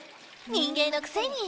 人間のくせに。